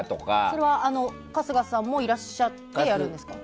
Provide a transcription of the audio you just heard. それは春日さんもいらっしゃってやるんですか？